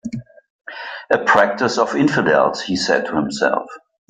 "A practice of infidels," he said to himself.